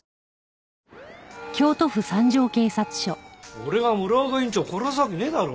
俺が村岡院長を殺すわけねえだろ？